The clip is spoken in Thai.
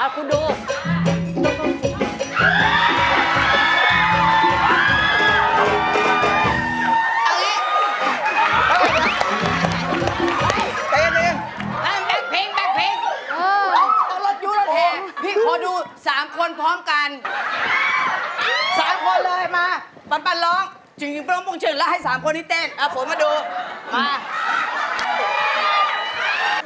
จิงจิงปอนจิงจิงจิงจิงปอนจิงนิ่งจิงปะเวยงยังก็ได้